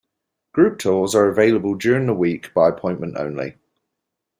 Group tours are available during the week by appointment only.